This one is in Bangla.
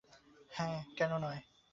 হ্যা, কেনো নয়?